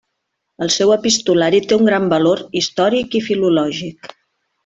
El seu epistolari té un gran valor històric i filològic.